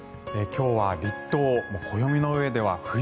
今日は立冬。